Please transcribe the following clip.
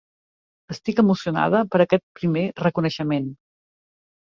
Estic emocionada per aquest primer reconeixement.